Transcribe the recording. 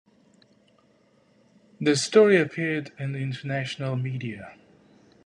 The story appeared in the international media.